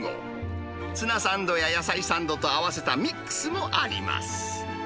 ツナサンドや野菜サンドと合わせたミックスもあります。